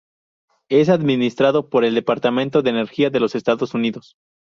Es administrado por el Departamento de Energía de los Estados Unidos.